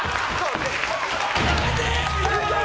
やめて！